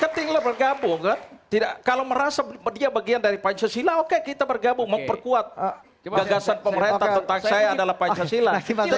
ketika bergabung kan kalau merasa dia bagian dari pancasila oke kita bergabung memperkuat gagasan pemerintah tentang saya adalah pancasila